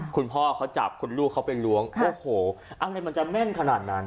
คุณพ่อเขาจับคุณลูกเขาไปล้วงโอ้โหอะไรมันจะแม่นขนาดนั้น